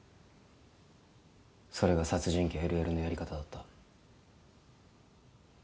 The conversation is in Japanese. それが殺人鬼・ＬＬのやり方だった。